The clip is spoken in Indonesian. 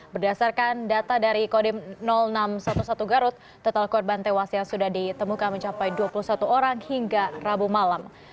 berdasarkan data dari kodim enam ratus sebelas garut total korban tewas yang sudah ditemukan mencapai dua puluh satu orang hingga rabu malam